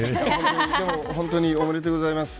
でも本当におめでとうございます。